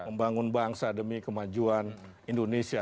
membangun bangsa demi kemajuan indonesia